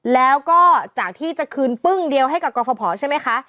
แล้วก็จากที่จะคืนปึ้งเดียวให้กับกรฟภใช่ไหมคะ